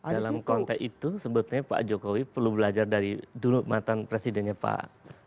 dalam konteks itu sebetulnya pak jokowi perlu belajar dari dulu mantan presidennya pak